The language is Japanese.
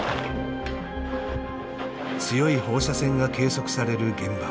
強い放射線が計測される現場。